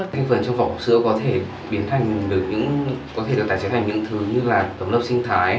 cây phần trong vỏ sữa có thể biến thành có thể được tài chế thành những thứ như là tấm lớp sinh thái